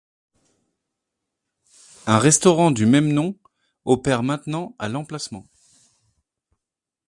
Un restaurant du même nom opère maintenant à l'emplacement.